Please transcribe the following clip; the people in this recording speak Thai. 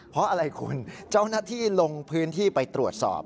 เพราะอะไรคุณเจ้าหน้าที่ลงพื้นที่ไปตรวจสอบ